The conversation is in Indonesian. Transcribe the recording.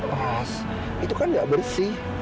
pas itu kan gak bersih